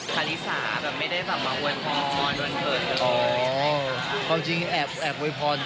คุณพร้อมเป็นทัศน์สำหรับธัริสาหรือภรรยุอยมะ